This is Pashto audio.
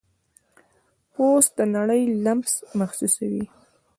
پوست د نړۍ لمس محسوسوي.